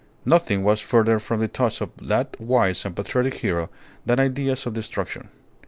Nothing was further from the thoughts of that wise and patriotic hero than ideas of destruction.